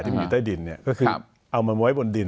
อยู่ใต้ดินเนี่ยก็คือเอามันไว้บนดิน